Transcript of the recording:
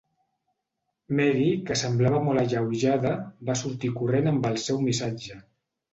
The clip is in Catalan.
Mary, que semblava molt alleujada, va sortir corrent amb el seu missatge.